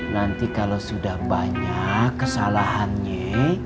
nanti kalau sudah banyak kesalahannya